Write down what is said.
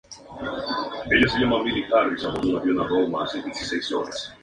Varios nombres surgieron entre los críticos y periodistas para llamar a este movimiento.